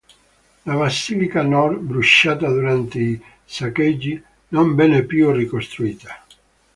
La basilica nord, bruciata durante i saccheggi, non venne più ricostruita.